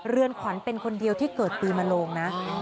เรือนขวัญเป็นคนเดียวที่เกิดปีมโลงนะ